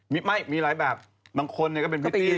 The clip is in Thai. ไม่มีหลายแบบบางคนก็เป็นพริตตี้